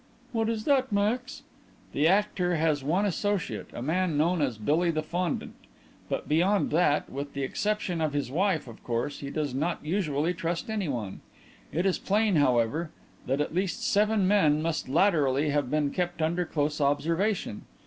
"What is that, Max?" "The 'Actor' has one associate, a man known as 'Billy the Fondant,' but beyond that with the exception of his wife, of course he does not usually trust anyone. It is plain, however, that at least seven men must latterly have been kept under close observation.